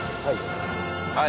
はい。